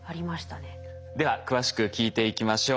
では詳しく聞いていきましょう。